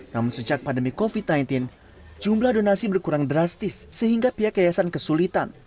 namun sejak pandemi covid sembilan belas jumlah donasi berkurang drastis sehingga pihak yayasan kesulitan